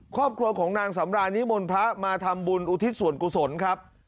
ครอบครัวของนางสำราญนิมนต์พระมาทำบุญอุทิศส่วนกุศลครับ